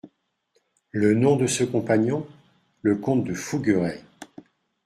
Le nom de ce compagnon ? Le comte de Fougueray.